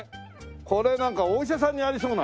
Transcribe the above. これなんかお医者さんにありそうな。